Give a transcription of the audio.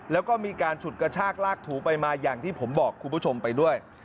แล้วก็มีการฉุดกระชากลากถูไปมาอย่างที่ผมบอกคุณผู้ชมไปด้วย